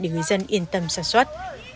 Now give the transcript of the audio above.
để người dân yên tâm sản xuất